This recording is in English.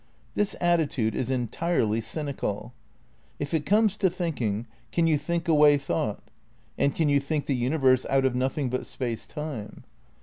This attitude is entirely cynical. If it comes to thinking, can you think away thought? And can you think the universe out of nothing but Space Time?